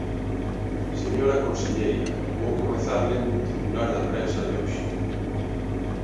Señora conselleira, vou comezar lendo un titular da prensa de hoxe.